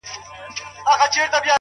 • د چا غمو ته به ځواب نه وايو،